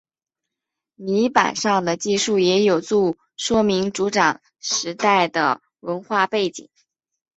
泥版上的记述也有助说明族长时代的文化背景。